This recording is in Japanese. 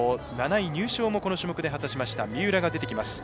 ７位入賞もこの種目で果たしました三浦が出てきます。